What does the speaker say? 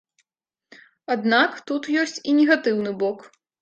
Аднак тут ёсць і негатыўны бок.